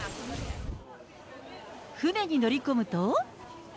船に乗り込むと。